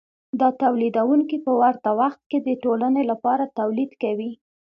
دا تولیدونکي په ورته وخت کې د ټولنې لپاره تولید کوي